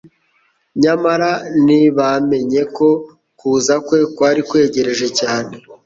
nyamara ntibamenye ko kuza kwe kwari kwegereje cyane